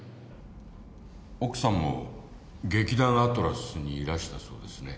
奥さんも劇団アトラスにいらしたそうですね？